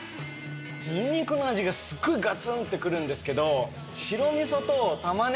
ニンニクの味がすごいガツンってくるんですけど。